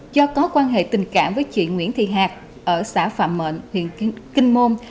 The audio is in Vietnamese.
do có quan hệ tình cảm với chị nguyễn thị hạc ở xã phạm mệnh huyện kinh môn